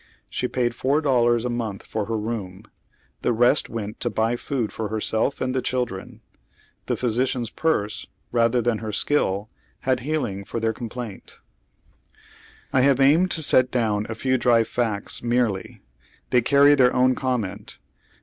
S!ie paid four dollars a month for her room. The rest went to buy food for herself and the children. The physician's purse, rather than lier skill, had healing for their complaint. I have aimed to set down a few dry facts merely. They carry their own comment.